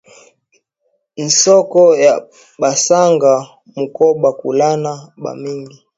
Nsoko ya basanga muko ba kuluna ba mingi